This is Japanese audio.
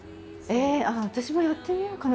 ああ私もやってみようかな。